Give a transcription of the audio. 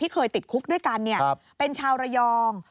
เคยติดคุกด้วยกันเป็นชาวระยอง